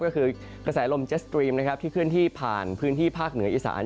ก็คือกระแสลมเจสตรีมที่ขึ้นที่ผ่านพื้นที่ภาคเหนืออีสาน